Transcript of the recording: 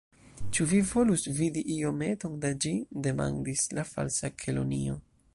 "Ĉu vi volus vidi iometon da ĝi?" demandis la Falsa Kelonio.